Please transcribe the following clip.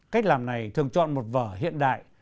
cách làm này thường chọn một vở hiện đại